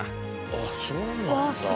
あっそうなんだ。